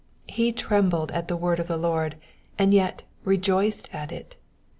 He trembled at the firord of the Lord, and yet rejoiced at it.